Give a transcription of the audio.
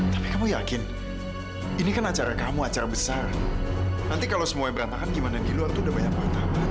tapi kamu yakin ini kan acara kamu acara besar nanti kalau semuanya berantakan gimana di luar tuh udah banyak banget